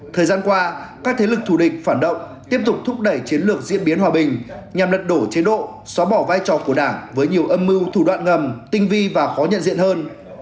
thời gian qua các thế lực thù địch phản động tiếp tục thúc đẩy chiến lược diễn biến hòa bình nhằm lật đổ chế độ xóa bỏ vai trò của đảng với nhiều âm mưu thủ đoạn ngầm tinh vi và khó nhận diện hơn